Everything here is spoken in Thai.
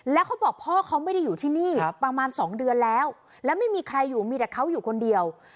แล้วเขาบอกพ่อเขาไม่ได้อยู่ที่นี่ประมาณ๒เดือนแล้วแล้วไม่มีใครอยู่มีแต่เขาอยู่คนเดียว